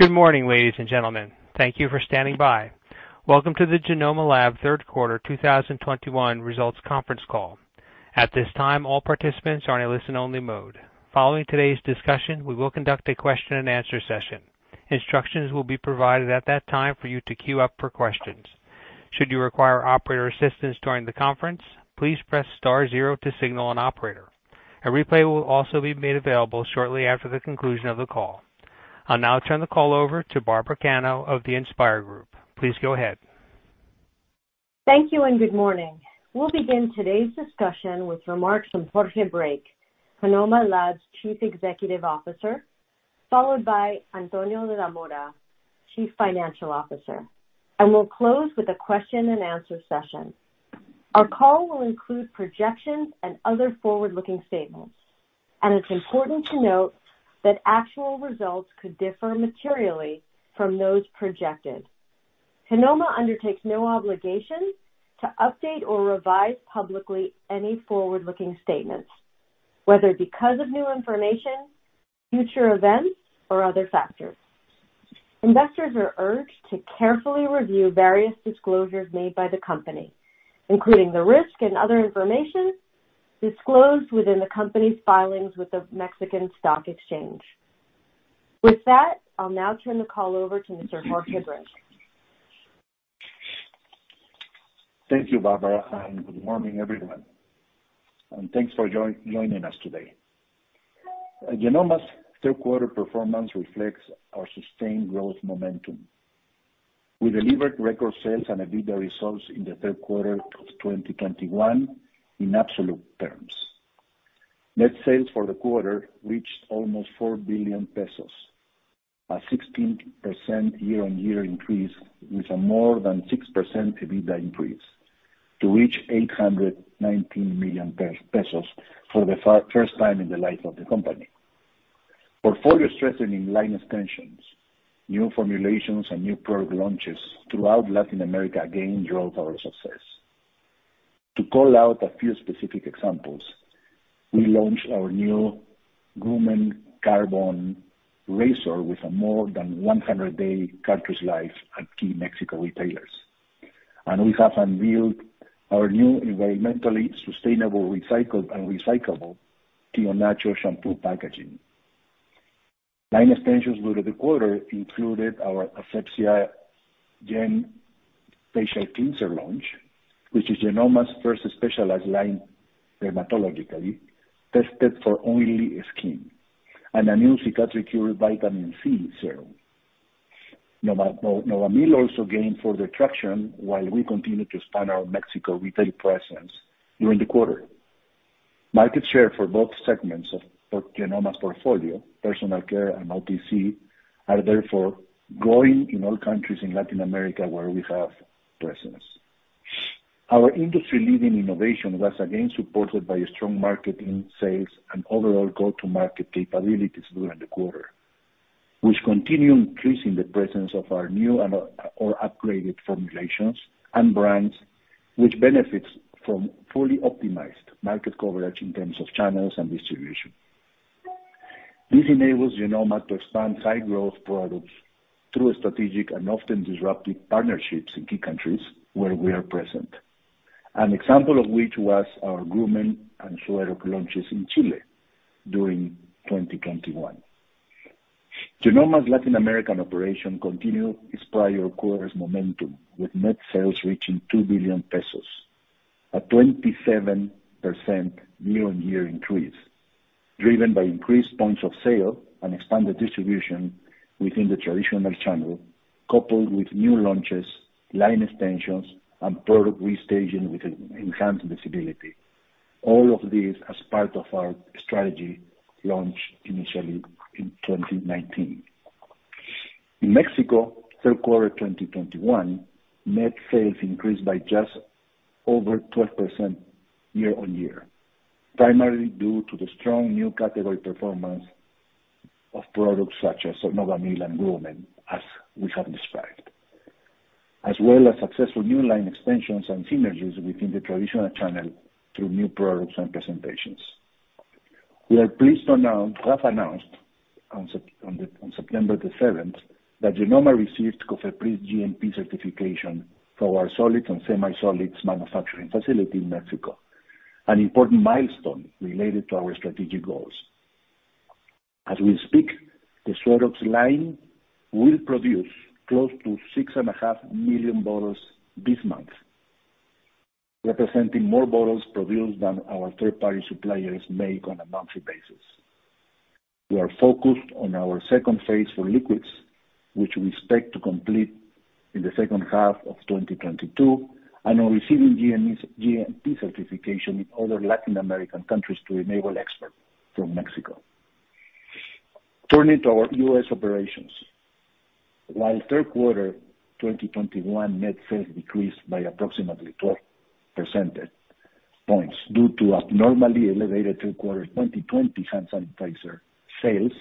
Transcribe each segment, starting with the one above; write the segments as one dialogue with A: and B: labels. A: Good morning, ladies and gentlemen. Thank you for standing by. Welcome to the Genomma Lab third quarter 2021 results conference call. At this time, all participants are in a listen-only mode. Following today's discussion, we will conduct a question-and-answer session. Instructions will be provided at that time for you to queue up for questions. Should you require operator assistance during the conference, please press star zero to signal an operator. A replay will also be made available shortly after the conclusion of the call. I'll now turn the call over to Barbara Cano of the InspIR Group. Please go ahead.
B: Thank you, and good morning. We'll begin today's discussion with remarks from Jorge Brake, Genomma Lab's Chief Executive Officer, followed by Antonio Zamora Galland, Chief Financial Officer, and we'll close with a question-and-answer session. Our call will include projections and other forward-looking statements, and it's important to note that actual results could differ materially from those projected. Genomma undertakes no obligation to update or revise publicly any forward-looking statements, whether because of new information, future events, or other factors. Investors are urged to carefully review various disclosures made by the company, including the risk and other information disclosed within the company's filings with the Mexican Stock Exchange. With that, I'll now turn the call over to Mr. Jorge Brake.
C: Thank you, Barbara, and good morning, everyone, and thanks for joining us today. Genomma's third quarter performance reflects our sustained growth momentum. We delivered record sales and EBITDA results in the third quarter of 2021 in absolute terms. Net sales for the quarter reached almost 4 billion pesos, a 16% year-on-year increase with a more than 6% EBITDA increase to reach 819 million pesos for the first time in the life of the company. Portfolio strengthening line extensions, new formulations, and new product launches throughout Latin America again drove our success. To call out a few specific examples, we launched our new grooming carbon razor with a more than 100-day cartridge life at key Mexico retailers. We have unveiled our new environmentally sustainable recycled and recyclable Tío Nacho shampoo packaging. Line extensions during the quarter included our Asepxia GEN facial cleanser launch, which is Genomma's first specialized line dermatologically tested for oily skin and a new Cicatricure vitamin C serum. Novamil also gained further traction while we continued to expand our Mexico retail presence during the quarter. Market share for both segments of Genomma's portfolio, personal care and OTC, are therefore growing in all countries in Latin America where we have presence. Our industry-leading innovation was again supported by strong marketing, sales, and overall go-to-market capabilities during the quarter, which continue increasing the presence of our new and/or upgraded formulations and brands, which benefits from fully optimized market coverage in terms of channels and distribution. This enables Genomma to expand high-growth products through strategic and often disruptive partnerships in key countries where we are present. An example of which was our grooming and Suerox launches in Chile during 2021. Genomma's Latin American operation continued its prior quarter's momentum, with net sales reaching 2 billion pesos, a 27% year-on-year increase driven by increased points of sale and expanded distribution within the traditional channel, coupled with new launches, line extensions, and product restaging with enhanced visibility. All of this as part of our strategy launch initially in 2019. In Mexico, third quarter 2021, net sales increased by just over 12% year-on-year, primarily due to the strong new category performance of products such as Novamil and grooming, as we have described. As well as successful new line extensions and synergies within the traditional channel through new products and presentations. We have announced on September 7 that Genomma received COFEPRIS GMP certification for our solids and semi-solids manufacturing facility in Mexico, an important milestone related to our strategic goals. As we speak, the Suerox line will produce close to 6.5 million bottles this month, representing more bottles produced than our third-party suppliers make on a monthly basis. We are focused on our second phase for liquids, which we expect to complete in the second half of 2022, and are receiving GMP certification in other Latin American countries to enable export from Mexico. Turning to our U.S. operations. While third quarter 2021 net sales decreased by approximately 12 percentage points due to abnormally elevated third quarter 2020 hand sanitizer sales,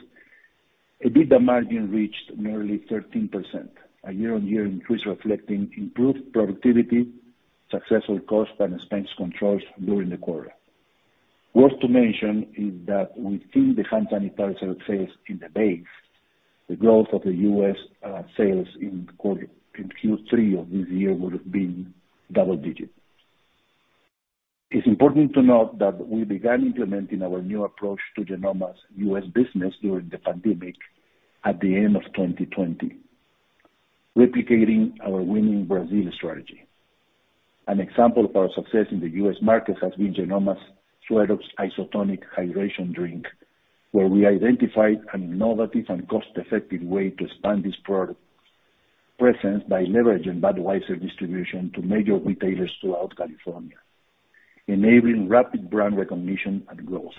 C: EBITDA margin reached nearly 13%, a year-on-year increase reflecting improved productivity, successful cost and expense controls during the quarter. Worth mentioning is that within the pandemic sales in the base, the growth of the U.S. sales in Q3 of this year would have been double digits. It's important to note that we began implementing our new approach to Genomma's U.S. business during the pandemic at the end of 2020, replicating our winning Brazil strategy. An example of our success in the U.S. market has been Genomma's Suerox isotonic hydration drink, where we identified an innovative and cost-effective way to expand this product presence by leveraging Budweiser distribution to major retailers throughout California, enabling rapid brand recognition and growth.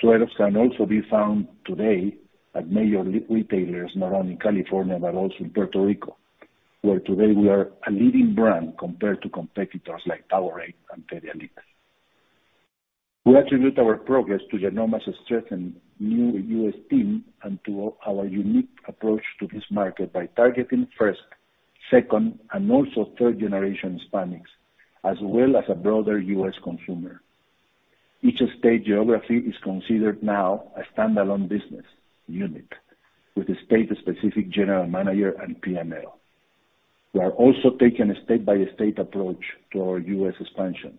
C: Suerox can also be found today at major retailers, not only in California but also in Puerto Rico, where today we are a leading brand compared to competitors like Powerade and Pedialyte. We attribute our progress to Genomma's strengthened new U.S. team and to our unique approach to this market by targeting first, second, and also third-generation Hispanics, as well as a broader U.S. consumer. Each state geography is considered now a standalone business unit with a state-specific general manager and P&L. We are also taking a state-by-state approach to our U.S. expansion,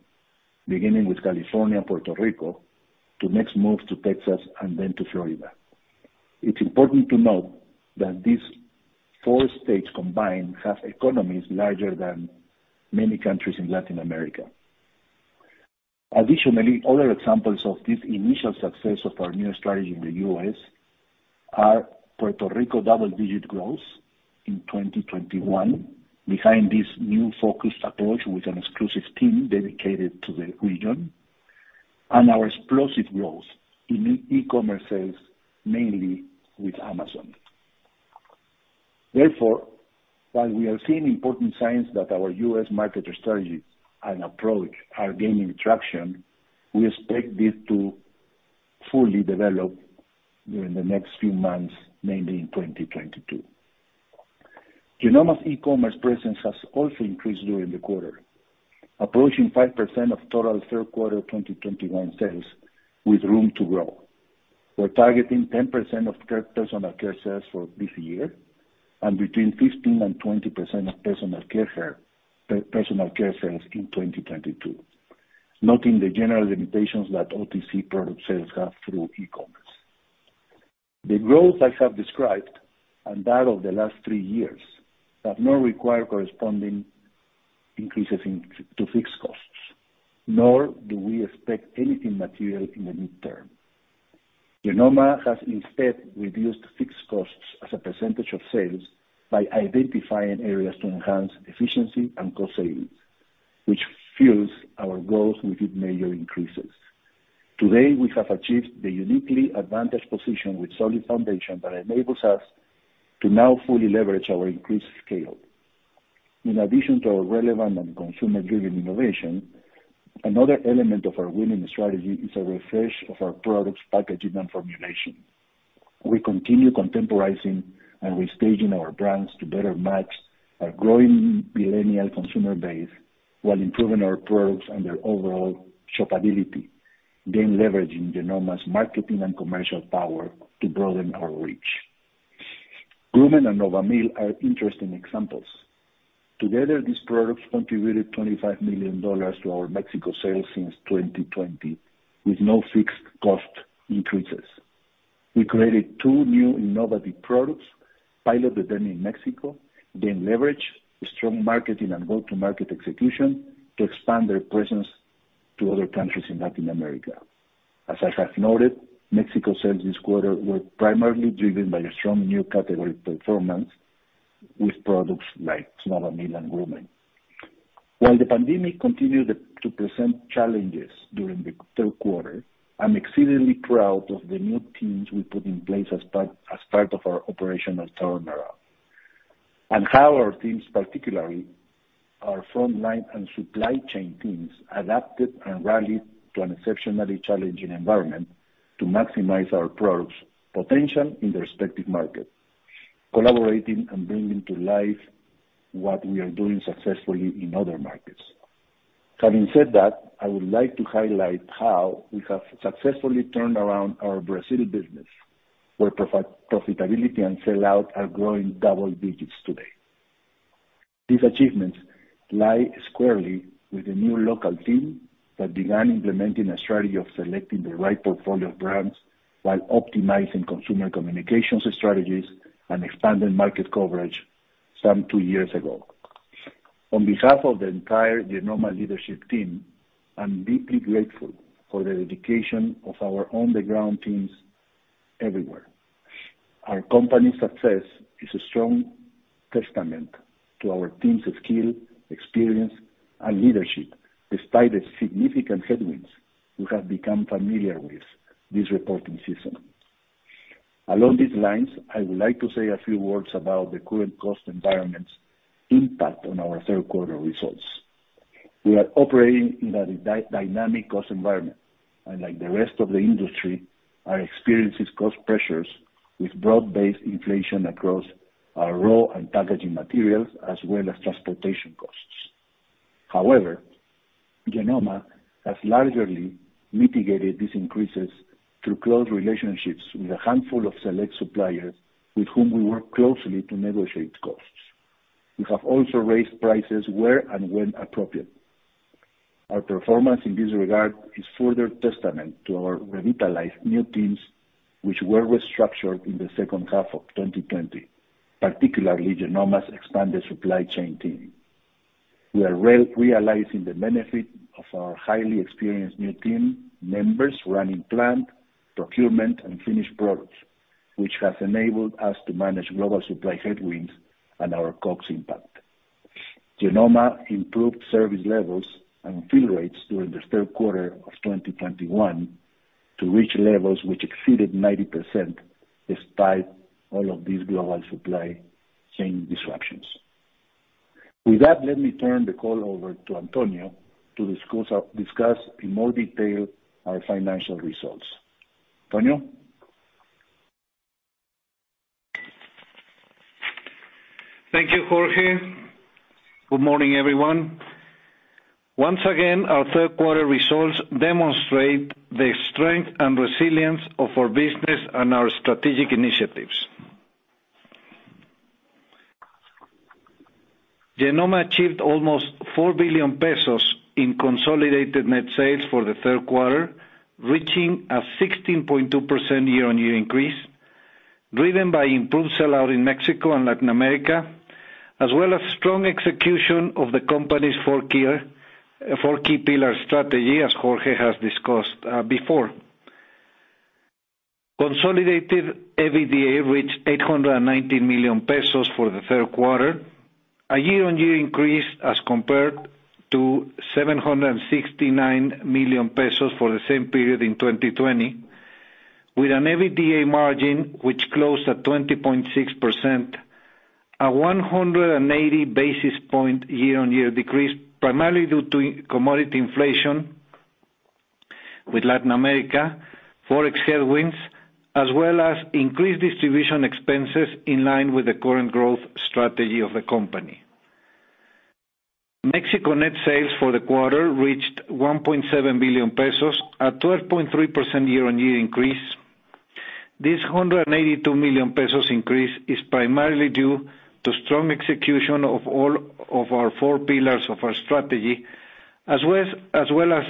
C: beginning with California, Puerto Rico, to next move to Texas and then to Florida. It's important to note that these four states combined have economies larger than many countries in Latin America. Other examples of this initial success of our new strategy in the U.S. are Puerto Rico double-digit growth in 2021 behind this new focused approach with an exclusive team dedicated to the region, and our explosive growth in e-commerce sales, mainly with Amazon. Therefore, while we are seeing important signs that our U.S. market strategy and approach are gaining traction, we expect this to fully develop during the next few months, mainly in 2022. Genomma's e-commerce presence has also increased during the quarter, approaching 5% of total third quarter 2021 sales, with room to grow. We're targeting 10% of personal care sales for this year and between 15% and 20% of personal care sales in 2022, noting the general limitations that OTC product sales have through e-commerce. The growth I have described, and that of the last three years, have not required corresponding increases to fixed costs, nor do we expect anything material in the near term. Genomma has instead reduced fixed costs as a percentage of sales by identifying areas to enhance efficiency and cost savings, which fuels our growth without major increases. Today, we have achieved the uniquely advantaged position with solid foundation that enables us to now fully leverage our increased scale. In addition to our relevant and consumer-driven innovation, another element of our winning strategy is a refresh of our products, packaging, and formulation. We continue contemporizing and restaging our brands to better match our growing millennial consumer base while improving our products and their overall shopability, then leveraging Genomma's marketing and commercial power to broaden our reach. Next and Novamil are interesting examples. Together, these products contributed $25 million to our Mexico sales since 2020 with no fixed cost increases. We created two new innovative products, piloted them in Mexico, then leveraged strong marketing and go-to-market execution to expand their presence to other countries in Latin America. As I have noted, Mexico sales this quarter were primarily driven by a strong new category performance with products like Novamil and Next. While the pandemic continued to present challenges during the third quarter, I'm exceedingly proud of the new teams we put in place as part of our operational turnaround, and how our teams, particularly our frontline and supply chain teams, adapted and rallied to an exceptionally challenging environment to maximize our products' potential in their respective markets, collaborating and bringing to life what we are doing successfully in other markets. Having said that, I would like to highlight how we have successfully turned around our Brazil business, where profitability and sell-out are growing double digits today. These achievements lie squarely with the new local team that began implementing a strategy of selecting the right portfolio of brands while optimizing consumer communications strategies and expanding market coverage some two years ago. On behalf of the entire Genomma leadership team, I'm deeply grateful for the dedication of our on-the-ground teams everywhere. Our company's success is a strong testament to our team's skill, experience, and leadership, despite the significant headwinds we have become familiar with this reporting season. Along these lines, I would like to say a few words about the current cost environment's impact on our third quarter results. We are operating in a dynamic cost environment, and like the rest of the industry, are experiencing cost pressures. With broad-based inflation across our raw and packaging materials, as well as transportation costs. However, Genomma has largely mitigated these increases through close relationships with a handful of select suppliers with whom we work closely to negotiate costs. We have also raised prices where and when appropriate. Our performance in this regard is further testament to our revitalized new teams, which were restructured in the second half of 2020, particularly Genomma's expanded supply chain team. We are realizing the benefit of our highly experienced new team members running plant, procurement, and finished products, which has enabled us to manage global supply headwinds and our COGS impact. Genomma improved service levels and fill rates during the third quarter of 2021 to reach levels which exceeded 90% despite all of these global supply chain disruptions. With that, let me turn the call over to Antonio to discuss in more detail our financial results. Antonio?
D: Thank you, Jorge. Good morning, everyone. Once again, our third quarter results demonstrate the strength and resilience of our business and our strategic initiatives. Genomma achieved almost 4 billion pesos in consolidated net sales for the third quarter, reaching a 16.2% year-on-year increase, driven by improved sell-out in Mexico and Latin America, as well as strong execution of the company's four key pillar strategy, as Jorge has discussed before. Consolidated EBITDA reached 890 million pesos for the third quarter, a year-on-year increase as compared to 769 million pesos for the same period in 2020, with an EBITDA margin which closed at 20.6%. 180 basis points year-on-year decrease, primarily due to commodity inflation with Latin America, Forex headwinds, as well as increased distribution expenses in line with the current growth strategy of the company. Mexico net sales for the quarter reached 1.7 billion pesos, a 12.3% year-on-year increase. This 182 million pesos increase is primarily due to strong execution of all of our four pillars of our strategy, as well as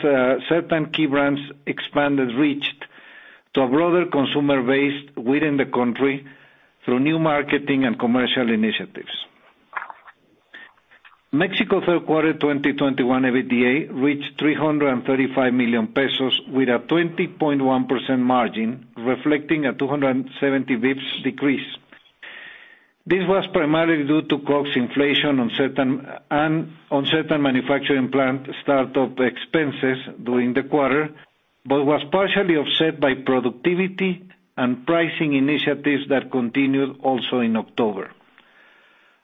D: certain key brands expanded reach to a broader consumer base within the country through new marketing and commercial initiatives. Mexico third quarter 2021 EBITDA reached 335 million pesos with a 20.1% margin, reflecting a 270 basis points decrease. This was primarily due to COGS inflation on certain manufacturing plant start-up expenses during the quarter, but was partially offset by productivity and pricing initiatives that continued also in October.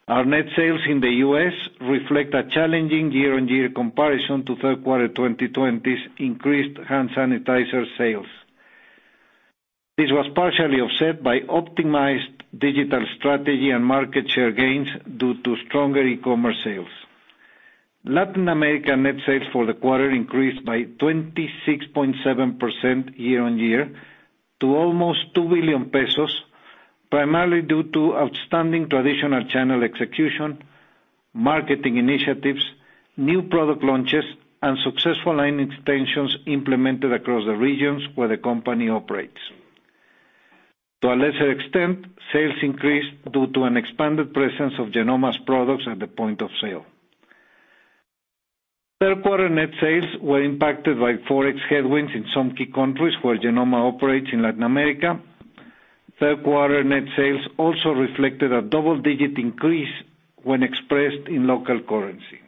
D: Our net sales in the U.S. reflect a challenging year-on-year comparison to third quarter 2020's increased hand sanitizer sales. This was partially offset by optimized digital strategy and market share gains due to stronger e-commerce sales. Latin America net sales for the quarter increased by 26.7% year-on-year to almost 2 billion pesos, primarily due to outstanding traditional channel execution, marketing initiatives, new product launches, and successful line extensions implemented across the regions where the company operates. To a lesser extent, sales increased due to an expanded presence of Genomma's products at the point of sale. Third quarter net sales were impacted by Forex headwinds in some key countries where Genomma operates in Latin America. Third quarter net sales also reflected a double-digit increase when expressed in local currency.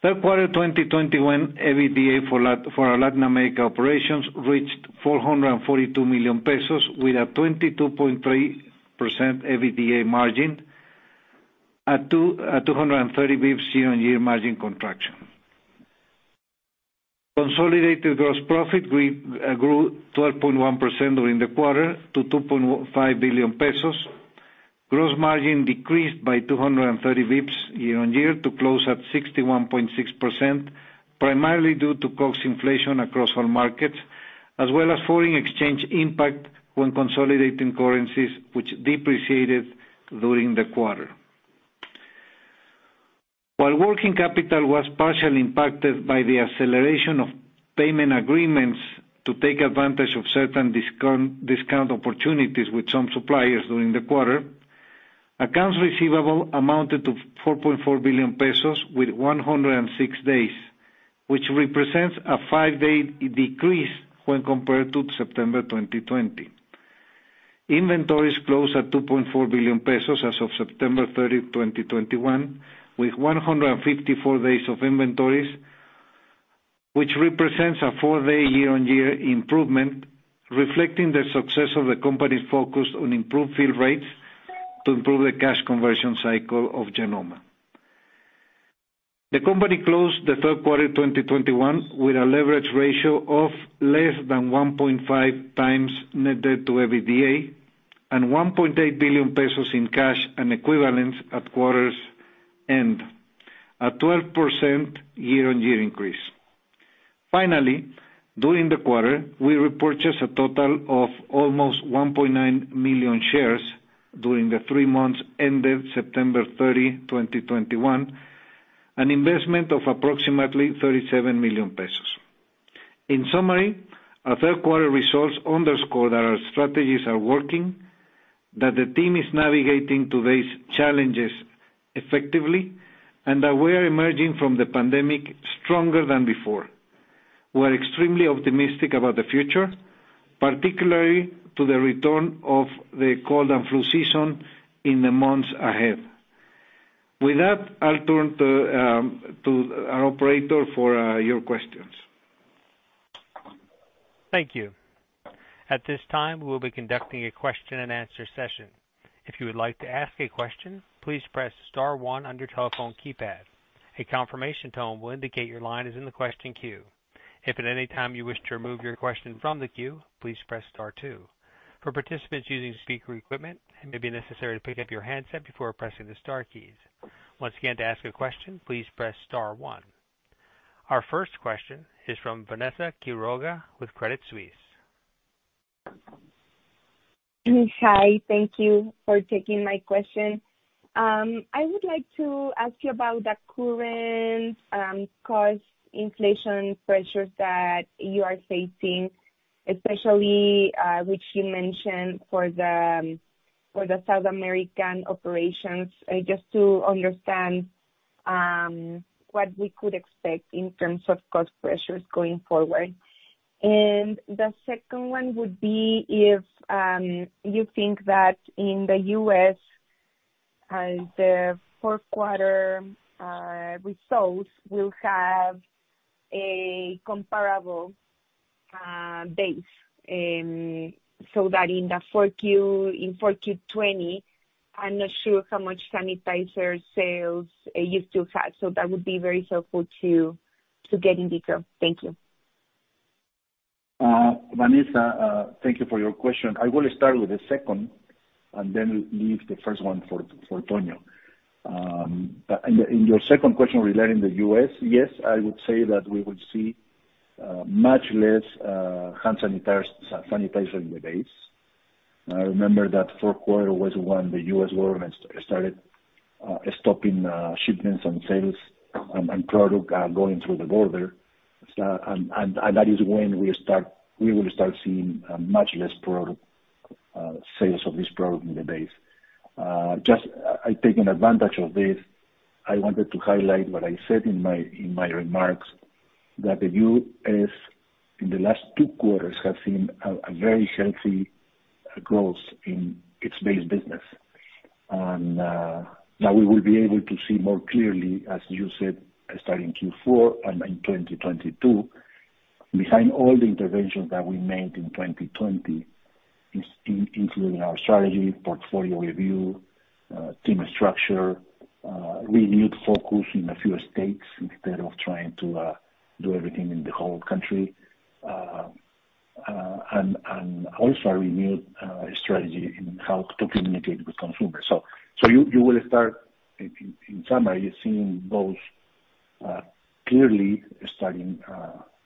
D: Third quarter 2021 EBITDA for our Latin America operations reached 442 million pesos with a 22.3% EBITDA margin at 230 BPS year-on-year margin contraction. Consolidated gross profit grew 12.1% during the quarter to 2.5 billion pesos. Gross margin decreased by 230 BPS year-on-year to close at 61.6%, primarily due to COGS inflation across all markets, as well as foreign exchange impact when consolidating currencies which depreciated during the quarter. While working capital was partially impacted by the acceleration of payment agreements to take advantage of certain discount opportunities with some suppliers during the quarter, accounts receivable amounted to 4.4 billion pesos with 106 days, which represents a five-day decrease when compared to September 2020. Inventories closed at 2.4 billion pesos as of September 30, 2021, with 154 days of inventories, which represents a four-day year-on-year improvement, reflecting the success of the company's focus on improved fill rates to improve the cash conversion cycle of Genomma. The company closed the third quarter 2021 with a leverage ratio of less than 1.5 times net debt to EBITDA and 1.8 billion pesos in cash and equivalents at quarter's end, a 12% year-on-year increase. Finally, during the quarter, we repurchased a total of almost 1.9 million shares during the three months ended September 30, 2021, an investment of approximately 37 million pesos. In summary, our third quarter results underscore that our strategies are working, that the team is navigating today's challenges effectively, and that we are emerging from the pandemic stronger than before. We're extremely optimistic about the future, particularly to the return of the cold and flu season in the months ahead. With that, I'll turn to our operator for your questions.
A: Thank you. At this time, we'll be conducting a question-and-answer session. If you would like to ask a question, please press star one on your telephone keypad. A confirmation tone will indicate your line is in the question queue. If at any time you wish to remove your question from the queue, please press star two. For participants using speaker equipment, it may be necessary to pick up your handset before pressing the star keys. Once again, to ask a question, please press star one. Our first question is from Vanessa Quiroga with Credit Suisse.
E: Hi, thank you for taking my question. I would like to ask you about the current cost inflation pressures that you are facing, especially which you mentioned for the South American operations, just to understand what we could expect in terms of cost pressures going forward. The second one would be if you think that in the US the fourth quarter results will have a comparable base so that in the 4Q 2020, I'm not sure how much sanitizer sales you still have. That would be very helpful to get in detail. Thank you.
C: Vanessa, thank you for your question. I will start with the second and then leave the first one for Tonio. In your second question regarding the U.S., yes, I would say that we will see much less hand sanitizer in the base. I remember that fourth quarter was when the U.S. government started stopping shipments on sales and product going through the border. That is when we will start seeing much less product sales of this product in the base. Just taking advantage of this, I wanted to highlight what I said in my remarks that the U.S. in the last two quarters have seen a very healthy growth in its base business. Now we will be able to see more clearly, as you said, starting Q4 and in 2022, behind all the interventions that we made in 2020, including our strategy, portfolio review, team structure, renewed focus in a few states instead of trying to do everything in the whole country, and also a renewed strategy in how to communicate with consumers. You will start, in summary, seeing both clearly starting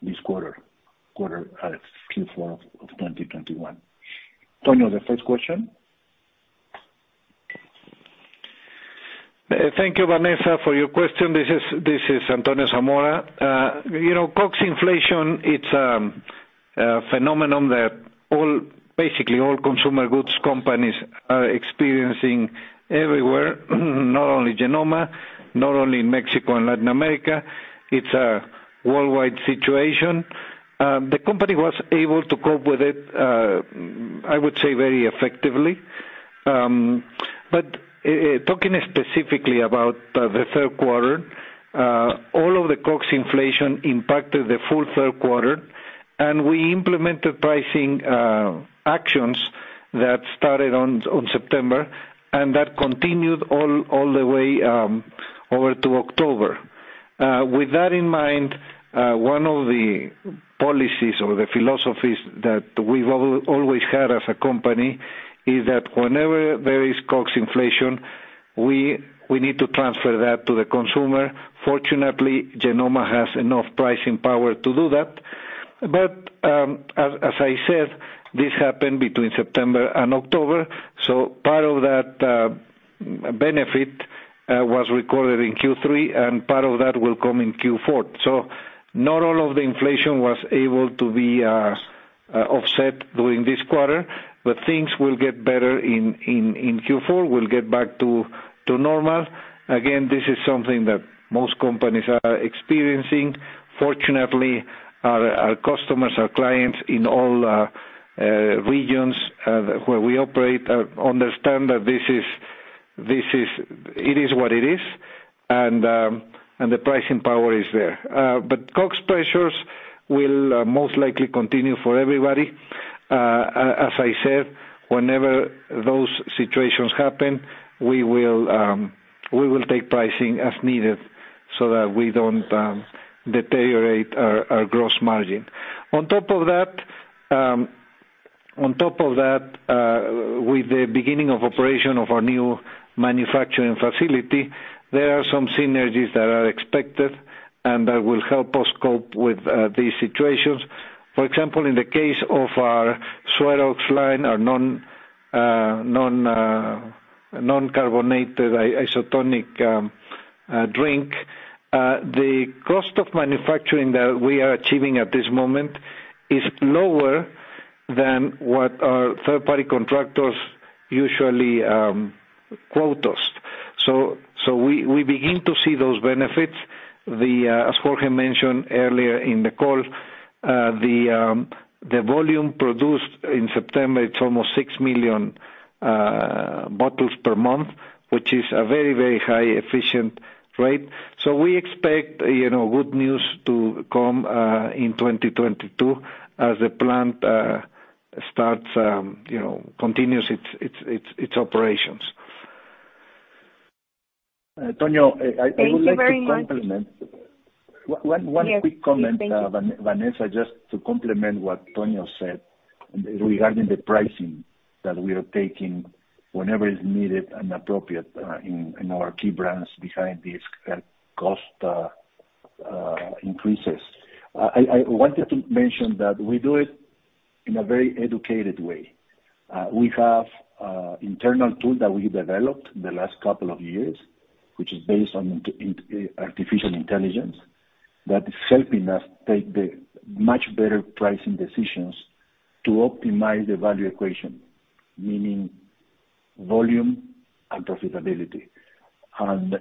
C: this quarter, Q4 of 2021. Tonio, the first question?
D: Thank you, Vanessa, for your question. This is Antonio Zamora. You know, COGS inflation, it's a phenomenon that basically all consumer goods companies are experiencing everywhere, not only Genomma, not only in Mexico and Latin America. It's a worldwide situation. The company was able to cope with it, I would say very effectively. Talking specifically about the third quarter, all of the COGS inflation impacted the full third quarter, and we implemented pricing actions that started on September, and that continued all the way over to October. With that in mind, one of the policies or the philosophies that we've always had as a company is that whenever there is COGS inflation, we need to transfer that to the consumer. Fortunately, Genomma has enough pricing power to do that. As I said, this happened between September and October, so part of that benefit was recorded in Q3, and part of that will come in Q4. Not all of the inflation was able to be offset during this quarter, but things will get better in Q4. We'll get back to normal. Again, this is something that most companies are experiencing. Fortunately, our customers, our clients in all regions where we operate understand that this is. It is what it is, and the pricing power is there. COGS pressures will most likely continue for everybody. As I said, whenever those situations happen, we will take pricing as needed so that we don't deteriorate our gross margin. On top of that, with the beginning of operation of our new manufacturing facility, there are some synergies that are expected, and that will help us cope with these situations. For example, in the case of our Suerox line, our non-carbonated isotonic drink, the cost of manufacturing that we are achieving at this moment is lower than what our third party contractors usually quote us. We begin to see those benefits. As Jorge mentioned earlier in the call, the volume produced in September, it's almost six million bottles per month, which is a very highly efficient rate. We expect, you know, good news to come in 2022 as the plant continues its operations.
C: Tonio, I would like to compliment-
E: Thank you very much.
C: One quick comment.
E: Yes, please. Thank you.
C: Vanessa, just to complement what Tonio said regarding the pricing that we are taking whenever is needed and appropriate, in our key brands behind these cost increases. I wanted to mention that we do it in a very educated way. We have an internal tool that we developed in the last couple of years, which is based on artificial intelligence, that is helping us take much better pricing decisions to optimize the value equation, meaning volume and profitability.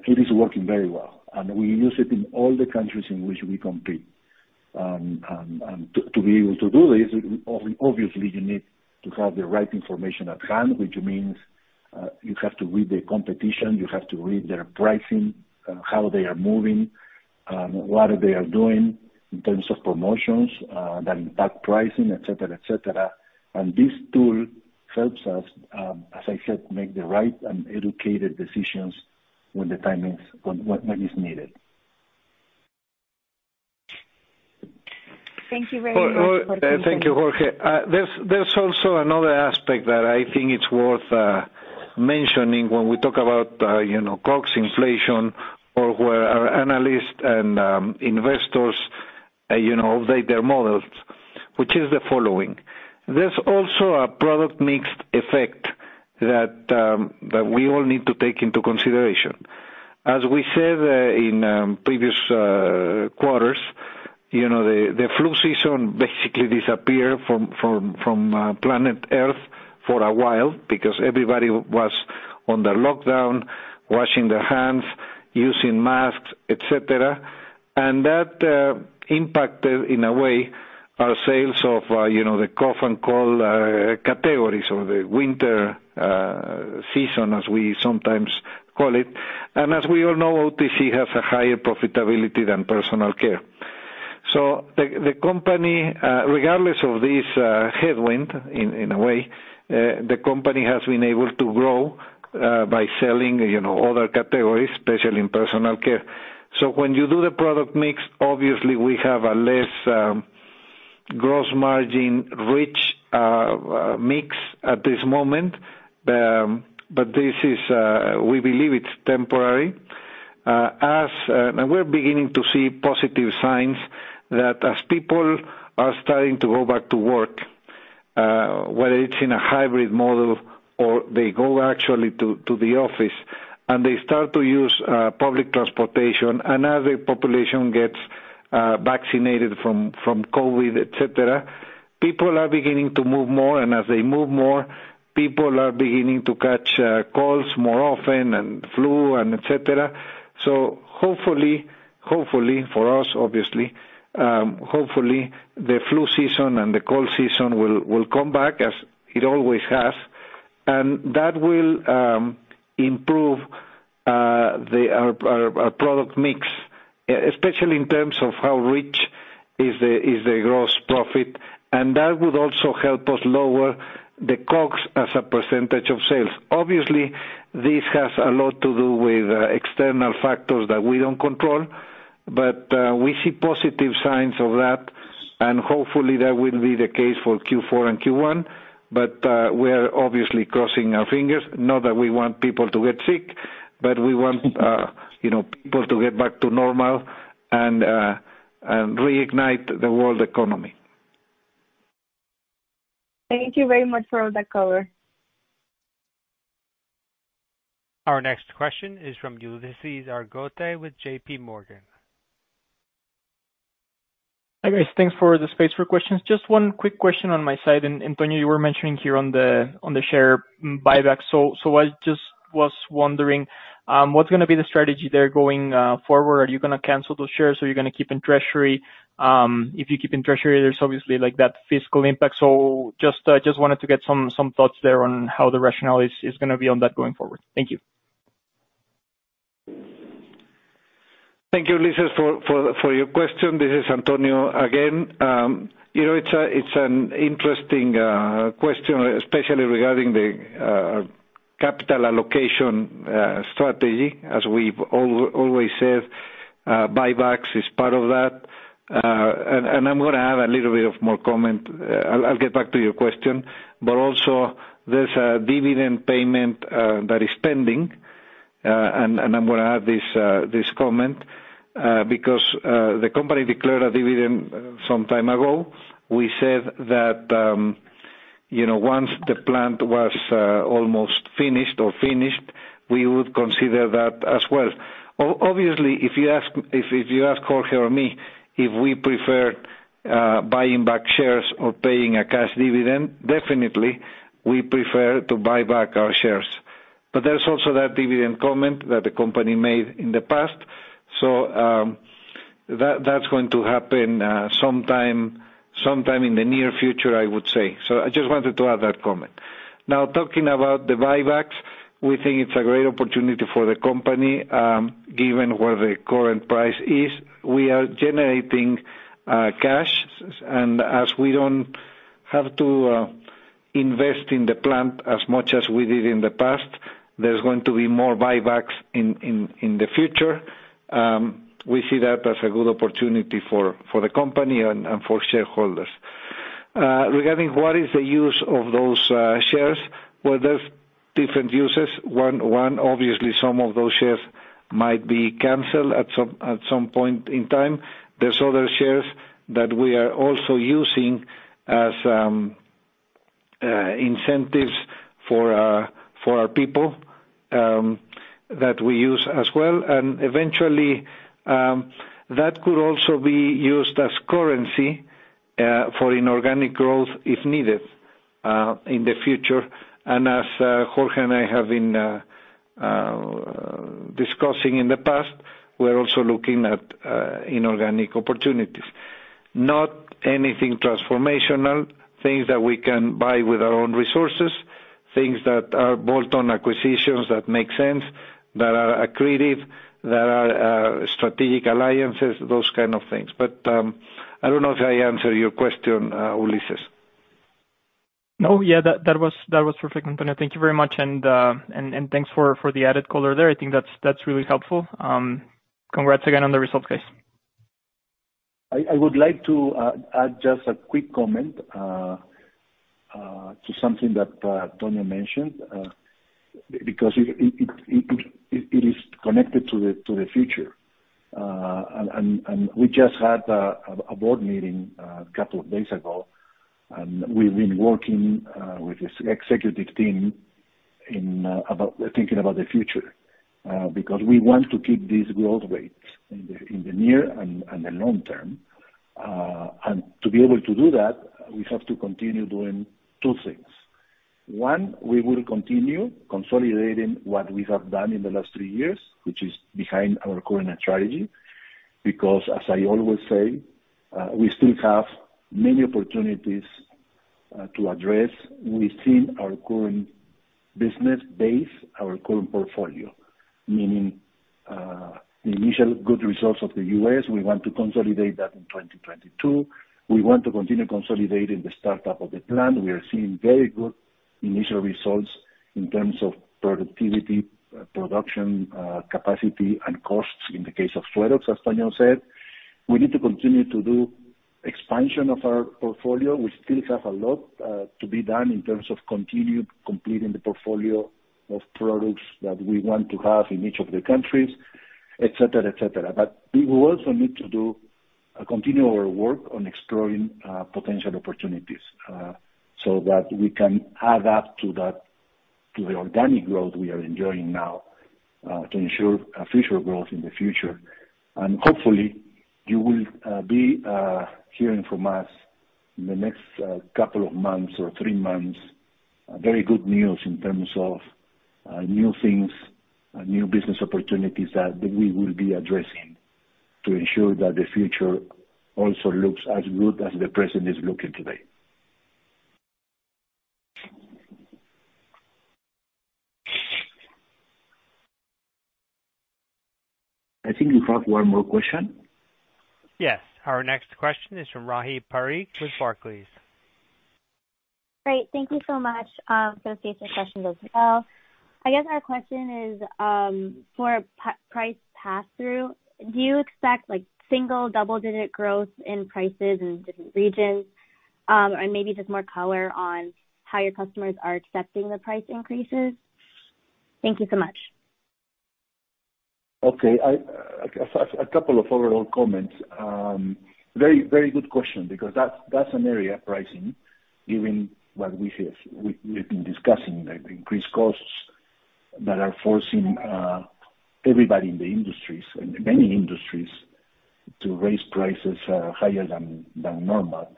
C: It is working very well, and we use it in all the countries in which we compete. To be able to do this, obviously, you need to have the right information at hand, which means you have to read the competition, you have to read their pricing, how they are moving, what they are doing in terms of promotions, that impact pricing, et cetera. This tool helps us, as I said, make the right and educated decisions when the timing is when it's needed.
E: Thank you very much, Jorge.
D: Thank you, Jorge. There's also another aspect that I think it's worth mentioning when we talk about, you know, COGS inflation or where our analysts and investors, you know, update their models, which is the following. There's also a product mix effect that we all need to take into consideration. As we said, in previous quarters, you know, the flu season basically disappeared from planet Earth for a while because everybody was on the lockdown, washing their hands, using masks, et cetera. That impacted, in a way, our sales of, you know, the cough and cold categories, or the winter season, as we sometimes call it. As we all know, OTC has a higher profitability than personal care. The company, regardless of this headwind in a way, has been able to grow by selling, you know, other categories, especially in personal care. When you do the product mix, obviously we have a less gross margin rich mix at this moment. This is, we believe, temporary. We're beginning to see positive signs that as people are starting to go back to work, whether it's in a hybrid model or they go actually to the office and they start to use public transportation, and as the population gets vaccinated from COVID, et cetera, people are beginning to move more, and as they move more, people are beginning to catch colds more often and flu and et cetera. Hopefully for us, obviously, the flu season and the cold season will come back as it always has, and that will improve our product mix, especially in terms of how rich is the gross profit, and that would also help us lower the COGS as a percentage of sales. Obviously, this has a lot to do with external factors that we don't control, but we see positive signs of that, and hopefully that will be the case for Q4 and Q1. We are obviously crossing our fingers. Not that we want people to get sick, but we want, you know, people to get back to normal and reignite the world economy.
E: Thank you very much for all that color.
A: Our next question is from Ulises Argote with JPMorgan.
F: Hi guys, thanks for the space for questions. Just one quick question on my side. Tonio, you were mentioning here on the share buyback. I just was wondering what's gonna be the strategy there going forward? Are you gonna cancel those shares? Are you gonna keep in treasury? If you keep in treasury, there's obviously like that fiscal impact. Just wanted to get some thoughts there on how the rationale is gonna be on that going forward. Thank you.
D: Thank you, Ulises, for your question. This is Antonio again. You know, it's an interesting question, especially regarding the capital allocation strategy. As we've always said, buybacks is part of that. I'm gonna add a little bit of more comment. I'll get back to your question. Also there's a dividend payment that is pending. I'm gonna add this comment because the company declared a dividend some time ago. We said that, you know, once the plant was almost finished or finished, we would consider that as well. Obviously, if you ask Jorge or me if we prefer buying back shares or paying a cash dividend, definitely we prefer to buy back our shares. There's also that dividend comment that the company made in the past. That's going to happen sometime in the near future, I would say. I just wanted to add that comment. Now, talking about the buybacks, we think it's a great opportunity for the company, given where the current price is. We are generating cash. As we don't have to invest in the plant as much as we did in the past, there's going to be more buybacks in the future. We see that as a good opportunity for the company and for shareholders. Regarding what is the use of those shares, well, there's different uses. One, obviously some of those shares might be canceled at some point in time. There's other shares that we are also using as incentives for our people that we use as well. Eventually, that could also be used as currency for inorganic growth if needed in the future. As Jorge and I have been discussing in the past, we're also looking at inorganic opportunities. Not anything transformational. Things that we can buy with our own resources, things that are bolt-on acquisitions that make sense, that are strategic alliances, those kind of things. I don't know if I answered your question, Ulises.
F: No. Yeah, that was perfect, Antonio. Thank you very much. Thanks for the added color there. I think that's really helpful. Congrats again on the results guys.
C: I would like to add just a quick comment to something that Antonio mentioned because it is connected to the future. We just had a board meeting a couple of days ago, and we've been working with the executive team about thinking about the future because we want to keep these growth rates in the near and the long term. To be able to do that, we have to continue doing two things. One, we will continue consolidating what we have done in the last three years, which is behind our current strategy, because as I always say, we still have many opportunities to address within our current business base, our current portfolio. Meaning, the initial good results of the U.S., we want to consolidate that in 2022. We want to continue consolidating the startup of the plant. We are seeing very good initial results in terms of productivity, production, capacity and costs in the case of Suerox, as Antonio said. We need to continue to do expansion of our portfolio. We still have a lot to be done in terms of continued completing the portfolio of products that we want to have in each of the countries, et cetera, et cetera. We will also need to continue our work on exploring potential opportunities, so that we can add up to that, to the organic growth we are enjoying now, to ensure future growth in the future. Hopefully you will be hearing from us in the next couple of months or three months, very good news in terms of new things, new business opportunities that we will be addressing to ensure that the future also looks as good as the present is looking today. I think we have one more question.
A: Yes. Our next question is from Rahi Parikh with Barclays.
G: Great. Thank you so much. Congratulations as well. I guess my question is, for price pass-through, do you expect like single, double-digit growth in prices in different regions? And maybe just more color on how your customers are accepting the price increases. Thank you so much.
C: Okay. I have a couple of overall comments. Very good question because that's an area, pricing, given what we've been discussing, the increased costs that are forcing everybody in the industries, in many industries to raise prices higher than normal.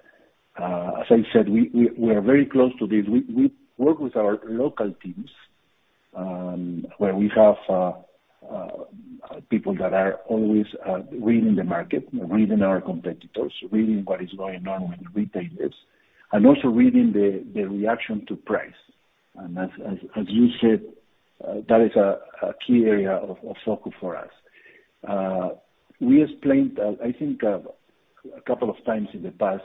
C: As I said, we are very close to this. We work with our local teams where we have people that are always reading the market, reading our competitors, reading what is going on with retailers, and also reading the reaction to price. As you said, that is a key area of focus for us. We explained, I think, a couple of times in the past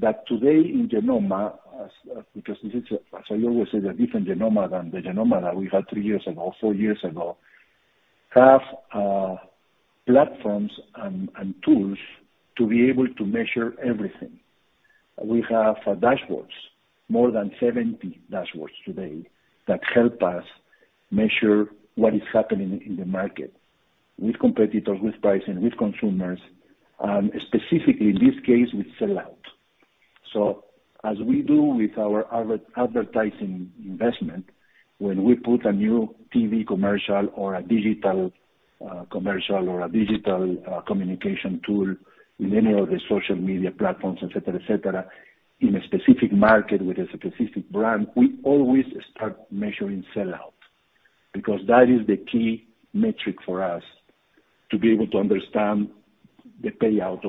C: that today in Genomma, because this is, as I always say, the different Genomma than the Genomma that we had three years ago, four years ago, we have platforms and tools to be able to measure everything. We have dashboards, more than 70 dashboards today, that help us measure what is happening in the market with competitors, with pricing, with consumers, and specifically in this case, with sell out. As we do with our advertising investment, when we put a new TV commercial or a digital commercial or a digital communication tool in any of the social media platforms, et cetera, in a specific market with a specific brand, we always start measuring sell out because that is the key metric for us to be able to understand the payout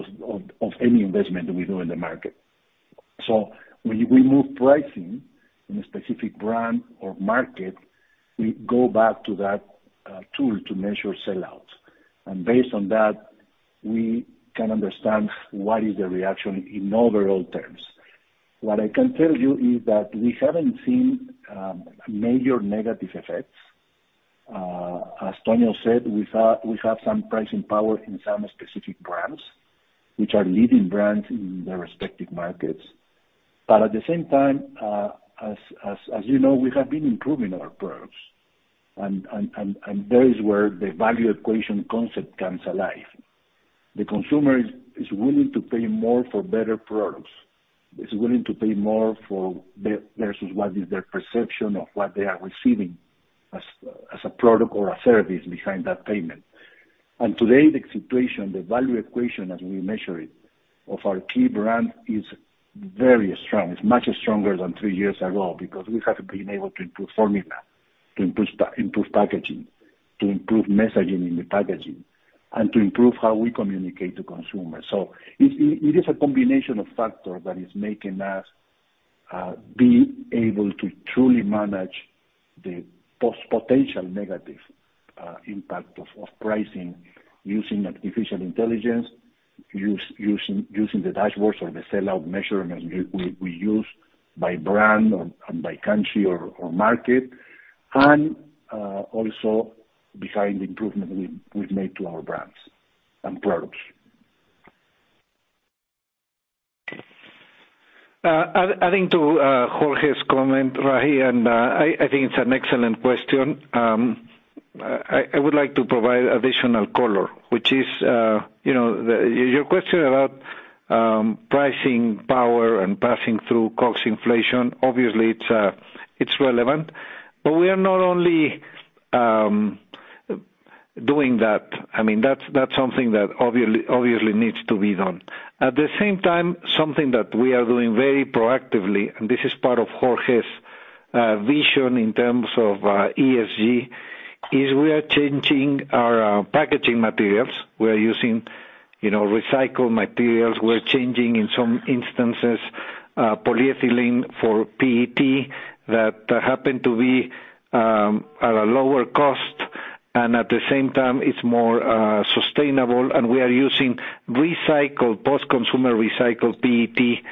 C: of any investment that we do in the market. When we move pricing in a specific brand or market, we go back to that tool to measure sell out. Based on that, we can understand what is the reaction in overall terms. What I can tell you is that we haven't seen major negative effects. As Tonio said, we have some pricing power in some specific brands, which are leading brands in their respective markets. At the same time, as you know, we have been improving our products and that is where the value equation concept comes alive. The consumer is willing to pay more for better products, is willing to pay more versus what is their perception of what they are receiving as a product or a service behind that payment. Today, the situation, the value equation as we measure it of our key brand is very strong. It's much stronger than three years ago because we have been able to improve formula, to improve packaging, to improve messaging in the packaging, and to improve how we communicate to consumers. It is a combination of factors that is making us be able to truly manage the potential negative impact of pricing using artificial intelligence, using the dashboards or the sellout measurement we use by brand or and by country or market, and also behind the improvement we've made to our brands and products.
D: Adding to Jorge's comment, Rahi, I think it's an excellent question. I would like to provide additional color, which is, you know, your question about pricing power and passing through COGS inflation. Obviously it's relevant, but we are not only doing that. I mean, that's something that obviously needs to be done. At the same time, something that we are doing very proactively, and this is part of Jorge's vision in terms of ESG, is we are changing our packaging materials. We are using, you know, recycled materials. We're changing, in some instances, polyethylene for PET that happen to be at a lower cost, and at the same time it's more sustainable. We are using recycled, post-consumer recycled PET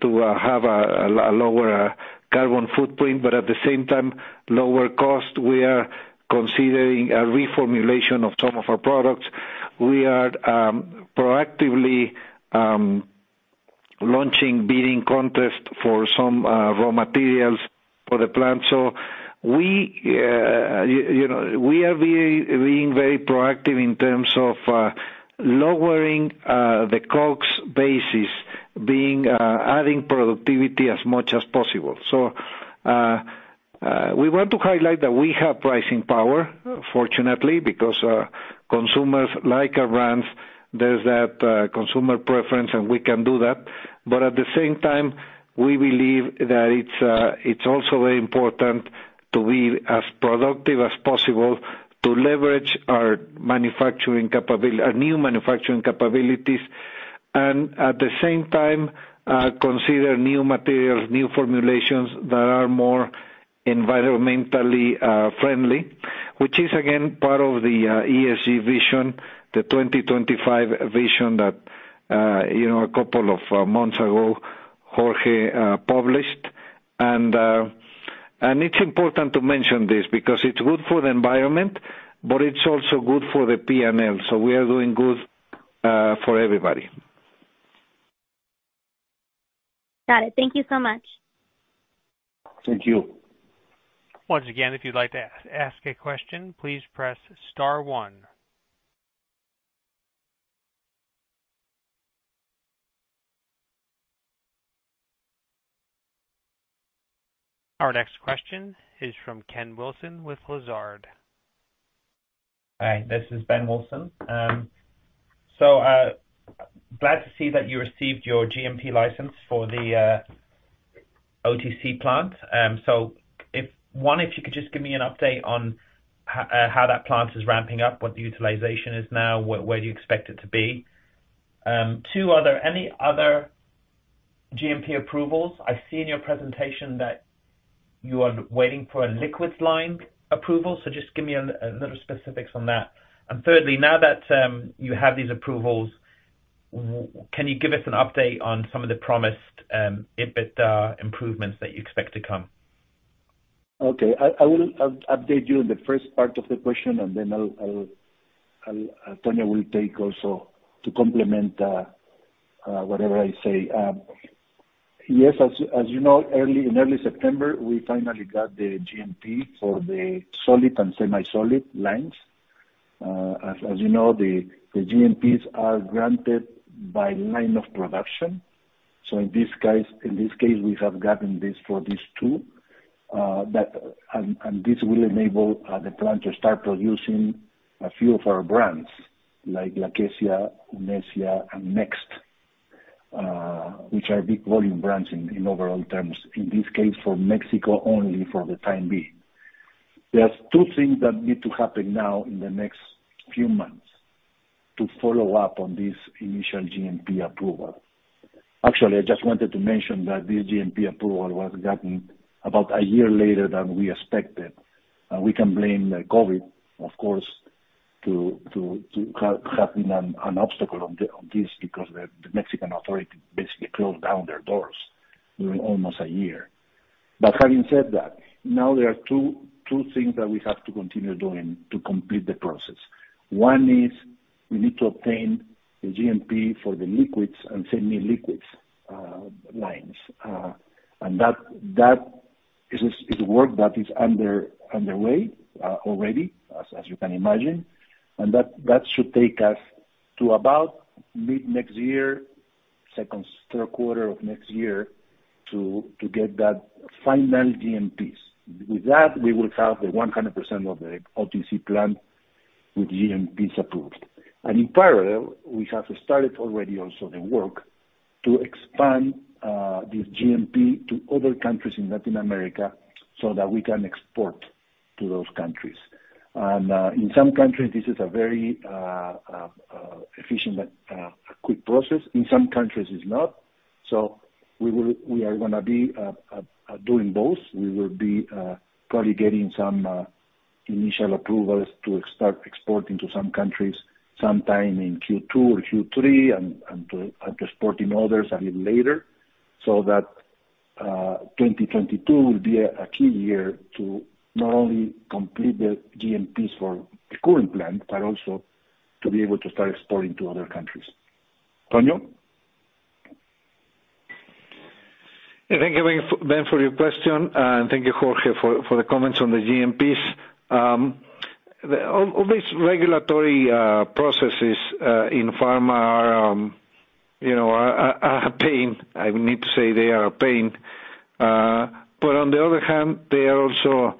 D: to have a lower carbon footprint, but at the same time, lower cost. We are considering a reformulation of some of our products. We are proactively launching bidding contests for some raw materials for the plant. We you know we are being very proactive in terms of lowering the COGS basis, adding productivity as much as possible. We want to highlight that we have pricing power, fortunately, because consumers like our brands. There's that consumer preference, and we can do that. At the same time, we believe that it's also very important to be as productive as possible to leverage our manufacturing capabilities. Our new manufacturing capabilities, and at the same time, consider new materials, new formulations that are more environmentally friendly, which is again, part of the ESG vision, the 2025 vision that, you know, a couple of months ago, Jorge published. It's important to mention this because it's good for the environment, but it's also good for the P&L, so we are doing good for everybody.
G: Got it. Thank you so much.
C: Thank you.
A: Once again, if you'd like to ask a question, please press star one. Our next question is from Ben Wilson with Lazard.
H: Hi, this is Ben Wilson. So, glad to see that you received your GMP license for the OTC plant. One, if you could just give me an update on how that plant is ramping up, what the utilization is now, where do you expect it to be? Two, are there any other GMP approvals? I see in your presentation that you are waiting for a liquids line approval, so just give me a little specifics on that. Thirdly, now that you have these approvals, can you give us an update on some of the promised EBITDA improvements that you expect to come?
C: Okay. I will update you on the first part of the question, and then I'll Tonio will take also to complement whatever I say. Yes, as you know, in early September, we finally got the GMP for the solid and semi-solid lines. As you know, the GMPs are granted by line of production. So in this case, we have gotten this for these two. This will enable the plant to start producing a few of our brands like Lakesia, Unesia and Next, which are big volume brands in overall terms, in this case for Mexico only for the time being. There's two things that need to happen now in the next few months to follow up on this initial GMP approval. Actually, I just wanted to mention that this GMP approval was gotten about a year later than we expected. We can blame the COVID, of course, to have been an obstacle on this because the Mexican authority basically closed down their doors during almost a year. Having said that, now there are two things that we have to continue doing to complete the process. One is we need to obtain the GMP for the liquids and semi-liquids lines. That is work that is underway already as you can imagine. That should take us to about mid next year, second, third quarter of next year to get that final GMPs. With that, we will have the 100% of the OTC plant with GMPs approved. In parallel, we have started already also the work to expand this GMP to other countries in Latin America so that we can export to those countries. In some countries, this is a very efficient but quick process. In some countries it's not. We are gonna be doing both. We will be probably getting some initial approvals to start exporting to some countries sometime in Q2 or Q3 and exporting others a little later. That 2022 will be a key year to not only complete the GMPs for the current plant, but also to be able to start exporting to other countries. Tonio?
D: Yeah. Thank you, Ben, for your question, and thank you, Jorge, for the comments on the GMPs. All these regulatory processes in pharma are, you know, a pain. I need to say they are a pain. On the other hand, they are also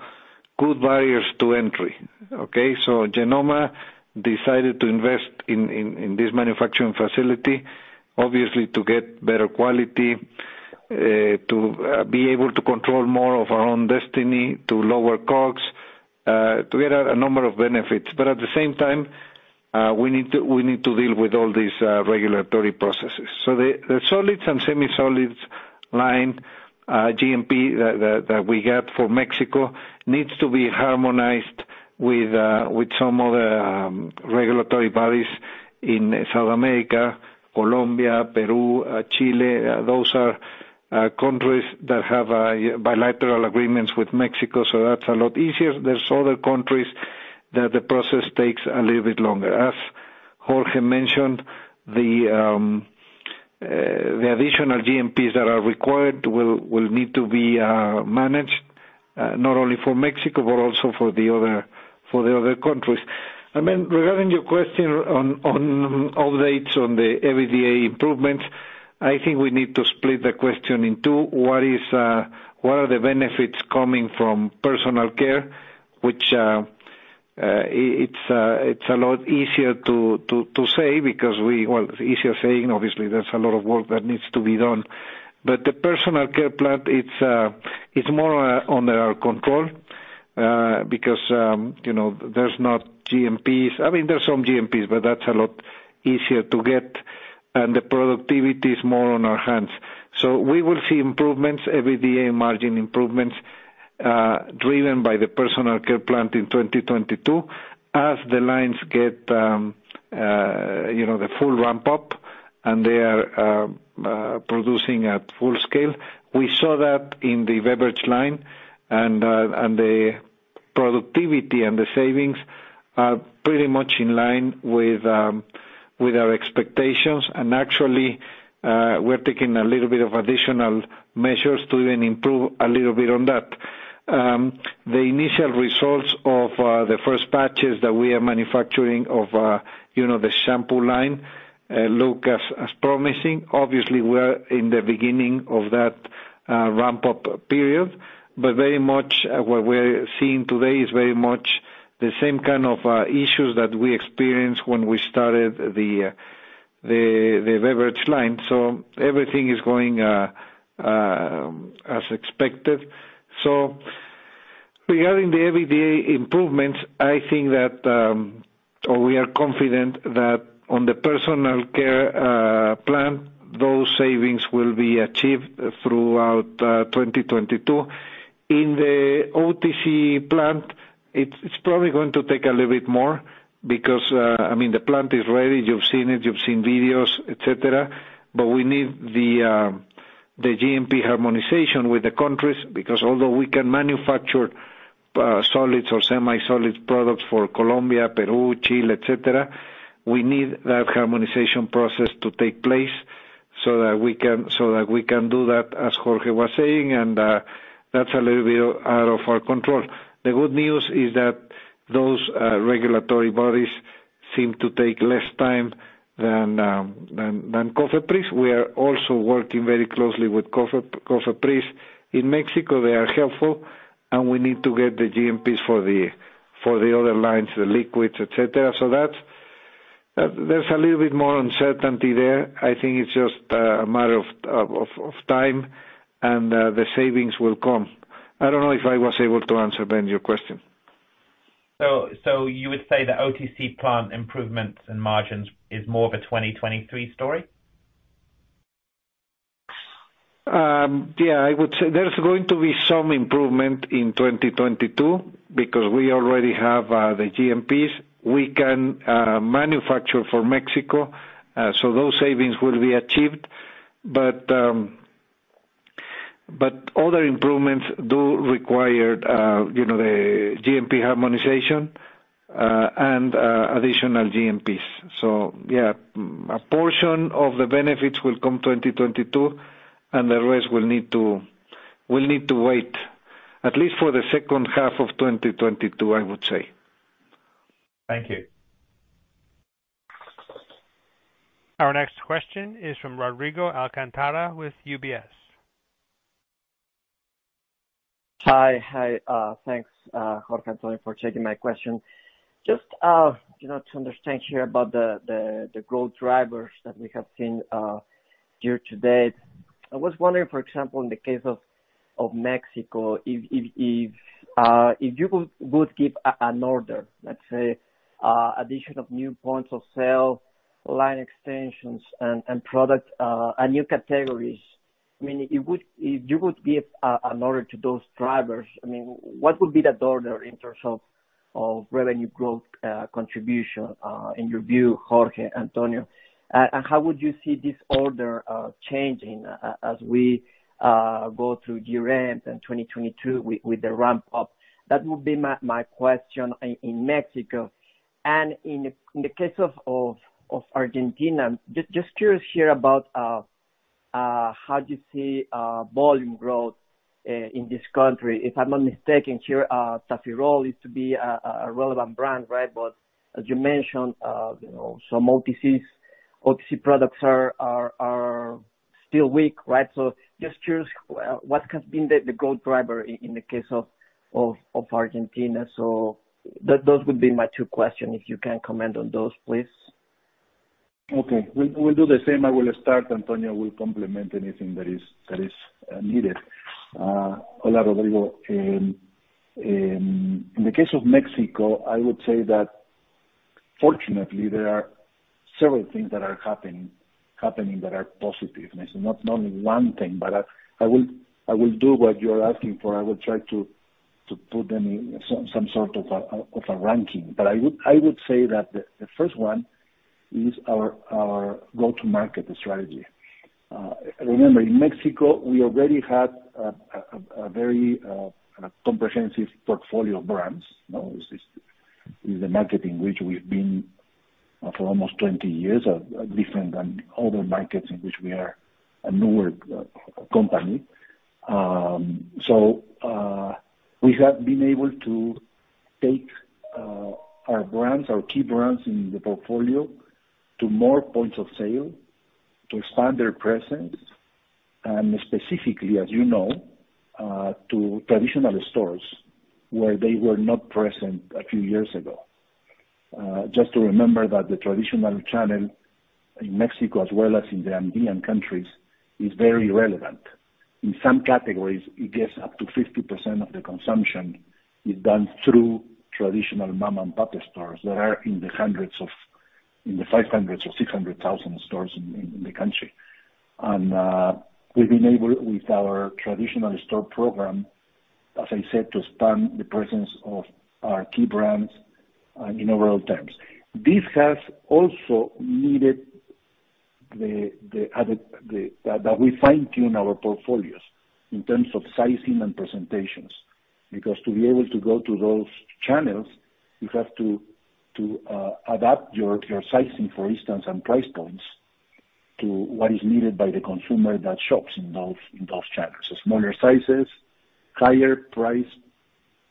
D: good barriers to entry, okay? Genomma decided to invest in this manufacturing facility obviously to get better quality, to be able to control more of our own destiny, to lower costs, to get a number of benefits. At the same time, we need to deal with all these regulatory processes. The solids and semi-solids line, GMP that we have for Mexico needs to be harmonized with some other regulatory bodies in South America, Colombia, Peru, Chile. Those are countries that have bilateral agreements with Mexico, that's a lot easier. There are other countries that the process takes a little bit longer. As Jorge mentioned, the additional GMPs that are required will need to be managed not only for Mexico, but also for the other countries. Regarding your question on updates on the EBITDA improvements, I think we need to split the question in two. What are the benefits coming from personal care, which it's a lot easier to say because we... Well, easier said, obviously there's a lot of work that needs to be done. The personal care plant, it's more under our control because you know, there's not GMPs. I mean, there's some GMPs, but that's a lot easier to get, and the productivity is more on our hands. We will see improvements, EBITDA margin improvements, driven by the personal care plant in 2022 as the lines get the full ramp up and they are producing at full scale. We saw that in the beverage line and the productivity and the savings are pretty much in line with our expectations. Actually, we're taking a little bit of additional measures to then improve a little bit on that. The initial results of the first batches that we are manufacturing of, you know, the shampoo line look as promising. Obviously we're in the beginning of that ramp-up period, but very much what we're seeing today is very much the same kind of issues that we experienced when we started the beverage line. Everything is going as expected. Regarding the everyday improvements, I think that, or we are confident that on the personal care plant, those savings will be achieved throughout 2022. In the OTC plant, it's probably going to take a little bit more because, I mean, the plant is ready. You've seen it, you've seen videos, et cetera. We need the GMP harmonization with the countries, because although we can manufacture solids or semi-solid products for Colombia, Peru, Chile, et cetera, we need that harmonization process to take place so that we can do that, as Jorge was saying, and that's a little bit out of our control. The good news is that those regulatory bodies seem to take less time than COFEPRIS. We are also working very closely with COFEPRIS in Mexico. They are helpful, and we need to get the GMPs for the other lines, the liquids, et cetera. That's. There's a little bit more uncertainty there. I think it's just a matter of time, and the savings will come. I don't know if I was able to answer, Ben, your question.
H: You would say the OTC plant improvements and margins is more of a 2023 story?
D: Yeah, I would say there's going to be some improvement in 2022 because we already have the GMPs. We can manufacture for Mexico. Those savings will be achieved. Other improvements do require, you know, the GMP harmonization and additional GMPs. Yeah, a portion of the benefits will come in 2022, and the rest will need to wait at least for the second half of 2022, I would say.
H: Thank you.
A: Our next question is from Rodrigo Alcantara with UBS.
I: Hi. Thanks, Jorge, Antonio, for taking my question. Just, you know, to understand here about the growth drivers that we have seen year to date, I was wondering, for example, in the case of Mexico, if you would give an order, let's say, addition of new points of sale, line extensions and product and new categories. I mean, if you would give an order to those drivers, I mean, what would be that order in terms of revenue growth contribution in your view, Jorge, Antonio? And how would you see this order changing as we go through year end and 2022 with the ramp up? That would be my question in Mexico. In the case of Argentina, just curious here about how you see volume growth in this country. If I'm not mistaken here, Tafirol is to be a relevant brand, right? But as you mentioned, you know, some OTCs, OTC products are still weak, right? So just curious, what has been the growth driver in the case of Argentina? So those would be my two questions, if you can comment on those, please.
C: Okay. We'll do the same. I will start. Antonio will complement anything that is needed. Hola, Rodrigo. In the case of Mexico, I would say that fortunately there are several things that are happening that are positive. It's not only one thing, but I will do what you are asking for. I will try to put them in some sort of a ranking. I would say that the first one is our go-to-market strategy. Remember, in Mexico, we already had a very comprehensive portfolio of brands. Now, this is a market in which we've been for almost 20 years, different than other markets in which we are a newer company. We have been able to take our brands, our key brands in the portfolio to more points of sale to expand their presence, and specifically, as you know, to traditional stores where they were not present a few years ago. Just to remember that the traditional channel in Mexico, as well as in the Andean countries, is very relevant. In some categories, it gets up to 50% of the consumption is done through traditional mom-and-pop stores that are in the 500,000-600,000 stores in the country. We've been able with our traditional store program, as I said, to expand the presence of our key brands in overall terms. This has also needed the added. that we fine-tune our portfolios in terms of sizing and presentations, because to be able to go to those channels, you have to adapt your sizing, for instance, and price points to what is needed by the consumer that shops in those channels. Smaller sizes, higher price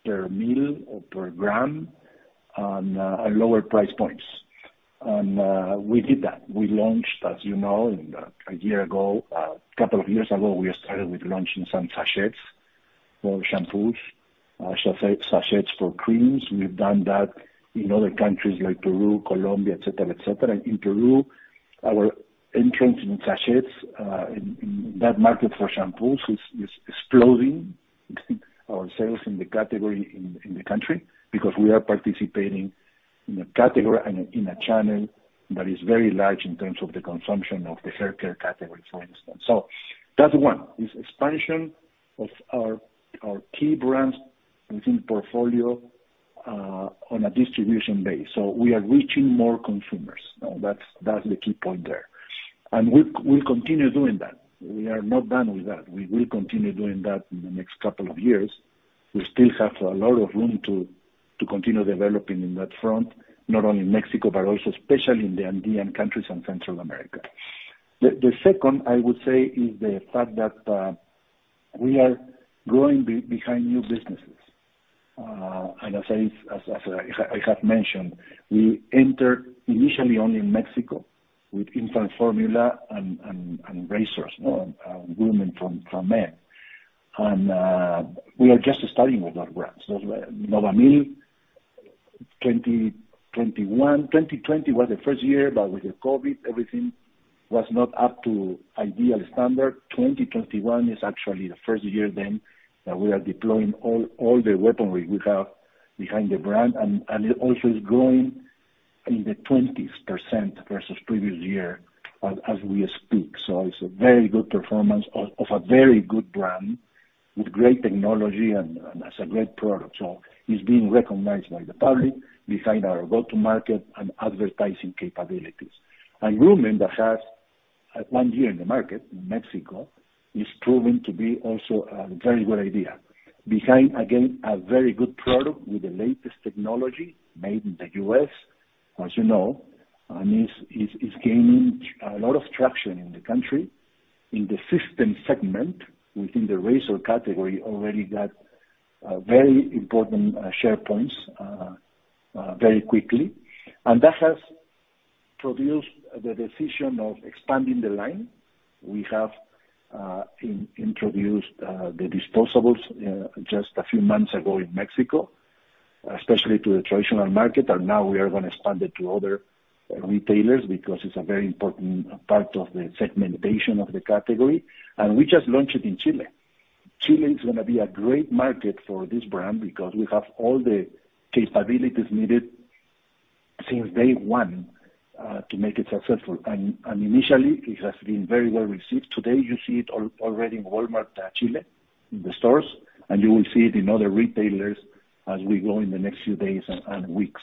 C: per mil or per gram, and lower price points. We did that. We launched, as you know, in a year ago, a couple of years ago, we started with launching some sachets for shampoos, sachets for creams. We've done that in other countries like Peru, Colombia, et cetera. In Peru. Our entrance in sachets in that market for shampoos is exploding our sales in the category in the country because we are participating in a category and in a channel that is very large in terms of the consumption of the hair care category, for instance. That's one, is expansion of our key brands within portfolio on a distribution base. We are reaching more consumers. Now, that's the key point there. We'll continue doing that. We are not done with that. We will continue doing that in the next couple of years. We still have a lot of room to continue developing in that front, not only in Mexico, but also especially in the Andean countries and Central America. The second I would say is the fact that we are growing behind new businesses. As I have mentioned, we entered initially only in Mexico with infant formula and razors. Grooming from men. We are just starting with that brand. Novamil 2021. 2020 was the first year, but with the COVID, everything was not up to ideal standard. 2021 is actually the first year then that we are deploying all the weaponry we have behind the brand, and it also is growing in the 20s% versus previous year as we speak. It's a very good performance of a very good brand with great technology and as a great product. It's being recognized by the public behind our go-to-market and advertising capabilities. Next that has 1 year in the market in Mexico is proving to be also a very good idea. Behind, again, a very good product with the latest technology made in the U.S., as you know, and is gaining a lot of traction in the country. In the system segment within the razor category already got very important share points very quickly. That has produced the decision of expanding the line. We have introduced the disposables just a few months ago in Mexico, especially to the traditional market, and now we are gonna expand it to other retailers because it's a very important part of the segmentation of the category, and we just launched it in Chile. Chile is gonna be a great market for this brand because we have all the capabilities needed since day one to make it successful. Initially it has been very well received. Today, you see it already in Walmart, Chile, in the stores, and you will see it in other retailers as we go in the next few days and weeks.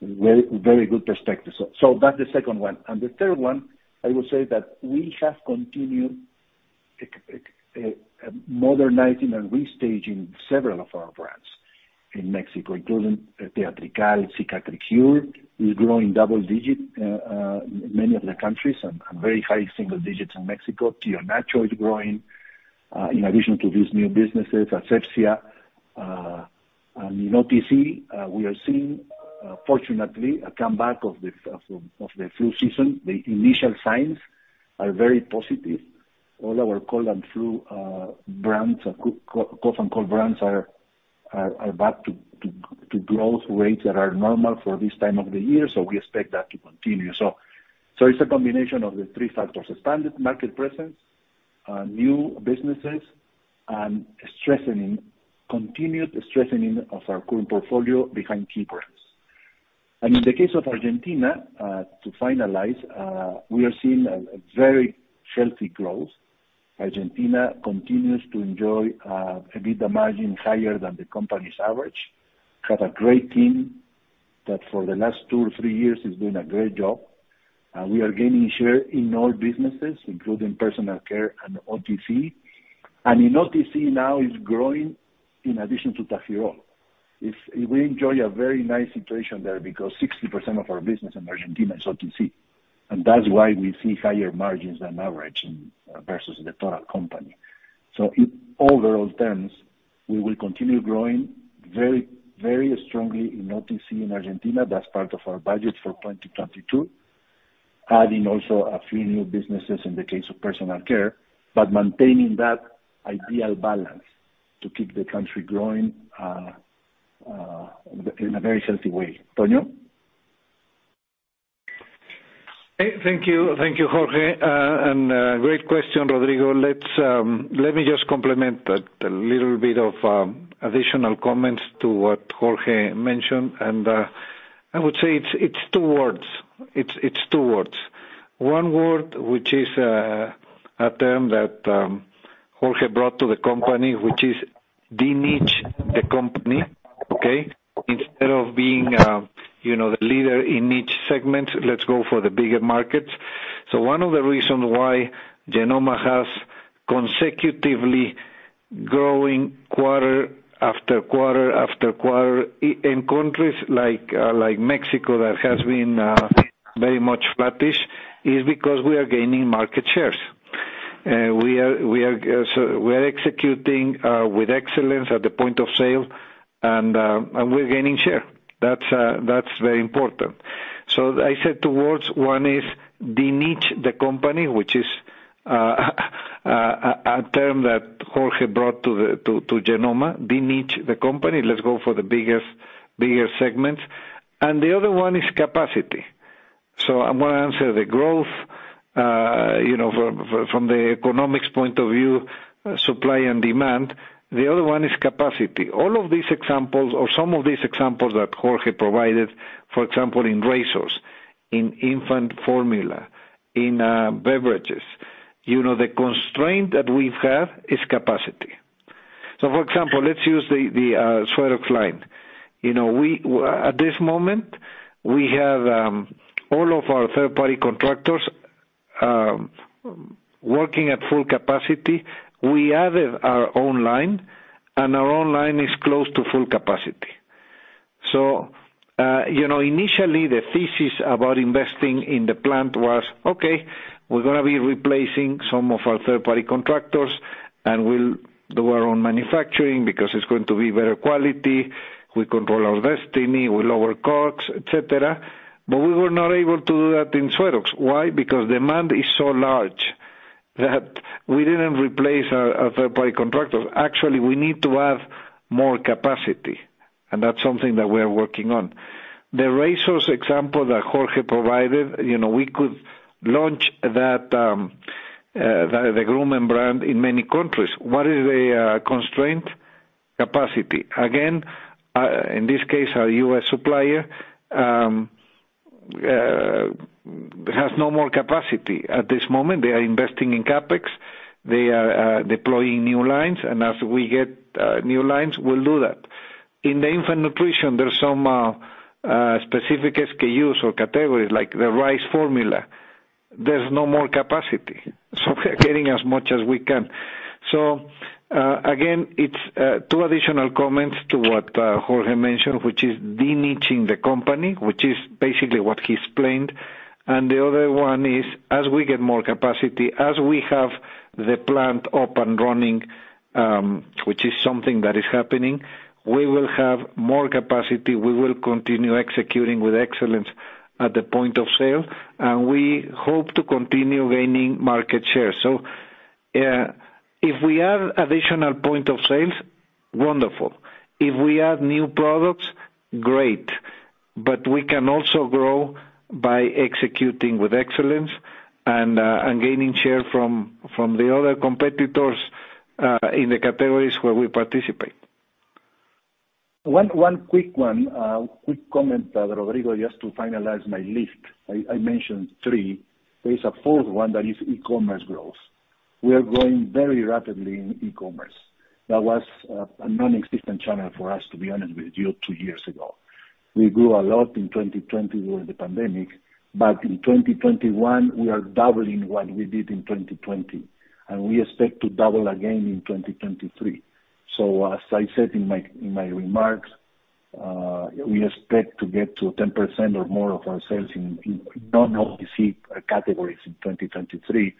C: Very good perspective. That's the second one. The third one, I would say that we have continued modernizing and restaging several of our brands in Mexico, including Teatrical. Cicatricure is growing double digit in many other countries and very high single digits in Mexico. Tío Nacho is growing, in addition to these new businesses, Asepxia. In OTC, we are seeing fortunately a comeback of the flu season. The initial signs are very positive. All our cold and flu brands, cough and cold brands are back to growth rates that are normal for this time of the year, so we expect that to continue. It's a combination of the three factors, expanded market presence, new businesses, and continued strengthening of our current portfolio behind key brands. In the case of Argentina, to finalize, we are seeing a very healthy growth. Argentina continues to enjoy a bit higher margin than the company's average. We have a great team that for the last two or three years is doing a great job. We are gaining share in all businesses, including personal care and OTC. In OTC now is growing in addition to Tafirol. We enjoy a very nice situation there because 60% of our business in Argentina is OTC, and that's why we see higher margins than average in versus the total company. In overall terms, we will continue growing very, very strongly in OTC in Argentina. That's part of our budget for 2022, adding also a few new businesses in the case of personal care, but maintaining that ideal balance to keep the country growing in a very healthy way. Tonio?
D: Hey, thank you. Thank you, Jorge. Great question, Rodrigo. Let me just complement a little bit of additional comments to what Jorge mentioned. I would say it's two words. One word, which is a term that Jorge brought to the company, which is de-niche the company, okay? Instead of being, you know, the leader in each segment, let's go for the bigger markets. One of the reasons why Genomma has consecutively growing quarter after quarter after quarter in countries like Mexico that has been very much flattish is because we are gaining market shares. We are executing with excellence at the point of sale, and we're gaining share. That's very important. I said two words. One is de-niche the company, which is a term that Jorge brought to Genomma, de-niche the company, let's go for the biggest segments. The other one is capacity. I'm gonna answer the growth from the economics point of view, supply and demand. The other one is capacity. All of these examples or some of these examples that Jorge provided, for example in razors, in infant formula, in beverages, the constraint that we've had is capacity. For example, let's use the Suerox line. At this moment, we have all of our third-party contractors working at full capacity. We added our own line, and our own line is close to full capacity. You know, initially, the thesis about investing in the plant was, okay, we're gonna be replacing some of our third-party contractors, and we'll do our own manufacturing because it's going to be better quality. We control our destiny, we lower costs, et cetera. But we were not able to do that in Suerox. Why? Because demand is so large that we didn't replace our third-party contractors. Actually, we need to add more capacity, and that's something that we're working on. The razors example that Jorge provided, you know, we could launch that, the grooming brand in many countries. What is the constraint? Capacity. Again, in this case, our U.S. supplier has no more capacity. At this moment, they are investing in CapEx. They are deploying new lines, and as we get new lines, we'll do that. In the infant nutrition, there's some specific SKUs or categories like the rice formula. There's no more capacity, so we are getting as much as we can. Again, it's two additional comments to what Jorge mentioned, which is de-niching the company, which is basically what he explained. The other one is, as we get more capacity, as we have the plant up and running, which is something that is happening, we will have more capacity. We will continue executing with excellence at the point of sale, and we hope to continue gaining market share. If we add additional point of sales, wonderful. If we add new products, great. We can also grow by executing with excellence and gaining share from the other competitors in the categories where we participate.
C: One quick one, quick comment, Rodrigo, just to finalize my list. I mentioned three. There is a fourth one that is e-commerce growth. We are growing very rapidly in e-commerce. That was a nonexistent channel for us, to be honest with you, two years ago. We grew a lot in 2020 during the pandemic, but in 2021, we are doubling what we did in 2020, and we expect to double again in 2023. As I said in my remarks, we expect to get to 10% or more of our sales in non-OTC categories in 2023,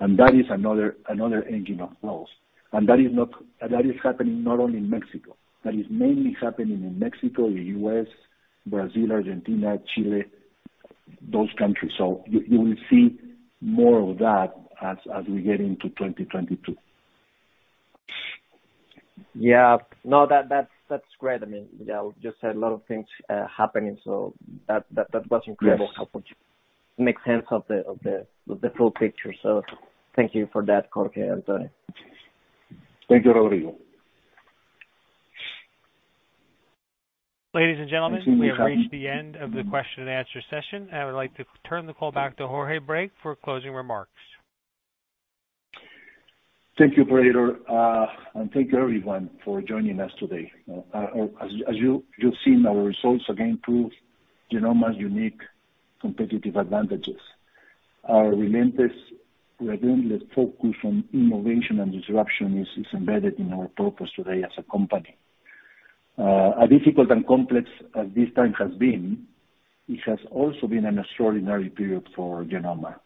C: and that is another engine of growth. That is happening not only in Mexico. That is mainly happening in Mexico, the U.S., Brazil, Argentina, Chile, those countries. You will see more of that as we get into 2022.
I: Yeah. No, that's great. I mean, yeah, just a lot of things happening, so that was incredible.
C: Yes.
I: Helps to make sense of the full picture. Thank you for that, Jorge and Tonio.
C: Thank you, Rodrigo.
A: Ladies and gentlemen.
C: Thank you.
A: We have reached the end of the question and answer session. I would like to turn the call back to Jorge Brake for closing remarks.
C: Thank you, operator. Thank you everyone for joining us today. As you've seen, our results again prove Genomma's unique competitive advantages. Our relentless focus on innovation and disruption is embedded in our purpose today as a company. As difficult and complex as this time has been, it has also been an extraordinary period for Genomma,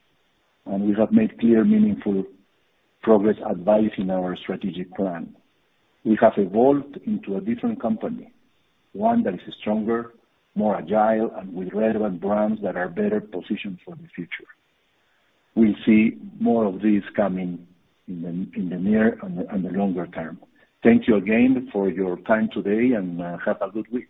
C: and we have made clear, meaningful progress advancing our strategic plan. We have evolved into a different company, one that is stronger, more agile, and with relevant brands that are better positioned for the future. We'll see more of this coming in the near and longer term. Thank you again for your time today, and have a good week.